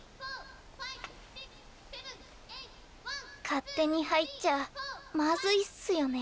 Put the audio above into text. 勝手に入っちゃまずいっすよね。